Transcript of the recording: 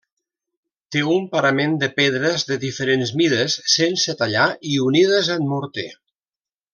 Té un parament de pedres de diferents mides, sense tallar i unides en morter.